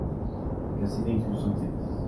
Reside en Houston, Texas.